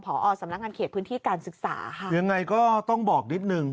พอสำนักงานเขตพื้นที่การศึกษาค่ะยังไงก็ต้องบอกนิดหนึ่ง